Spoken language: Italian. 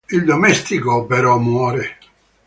Il domestico, però, muore.